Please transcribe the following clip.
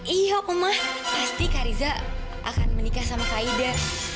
iya oma pasti kak riza akan menikah sama kak ida